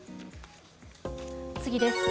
次です。